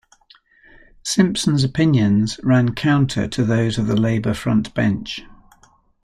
Simpson's opinions ran counter to those of the Labour frontbench.